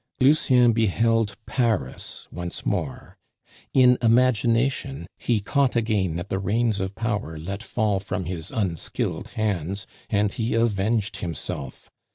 Lucien beheld Paris once more; in imagination he caught again at the reins of power let fall from his unskilled hands, and he avenged himself!